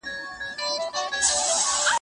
صراحي ده په قل قل، ساغر په هاها